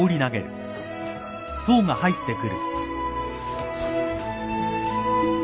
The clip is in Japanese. どうぞ。